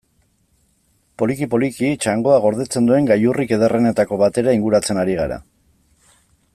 Poliki-poliki, txangoak gordetzen duen gailurrik ederrenetako batera inguratzen ari gara.